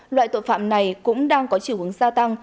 loại tội phạm này cũng đang có chỉ huống gia tăng